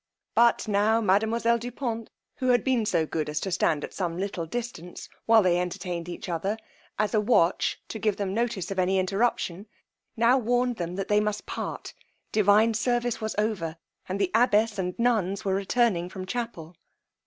but now mademoiselle du Pont, who had been so good as to stand at some little distance, while they entertained each other, as a watch to give them notice of any interruption, now warned them that they must part: divine service was over, and the abbess and nuns were returning from chapel.